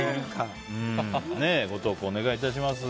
ご投稿、お願いします。